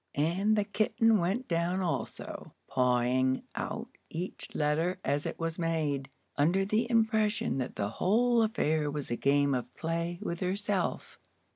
And the kitten went down also, pawing out each letter as it was made, under the impression that the whole affair was a game of play with herself.